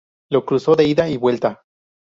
Lo cruzó de ida y vuelta.